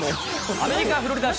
アメリカ・フロリダ州。